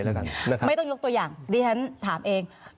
ไม่ต้องยกตัวอย่างดิฉันถามเอง